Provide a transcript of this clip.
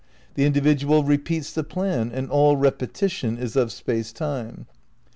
The individual repeats the plan and all repetition is of Space Time.